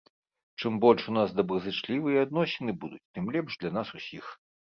Чым больш у нас дабразычлівыя адносіны будуць, тым лепш для нас усіх.